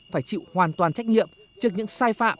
phải chịu hoàn toàn trách nhiệm trước những sai phạm